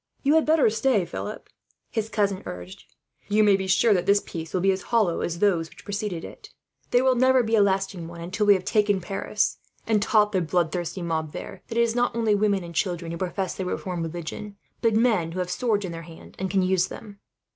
"You had better stay, Philip," his cousin urged. "You may be sure that this peace will be as hollow as those which preceded it. There will never be a lasting one until we have taken Paris, and taught the bloodthirsty mob there that it is not only women and children who profess the reformed religion, but men who have swords in their hands and can use them."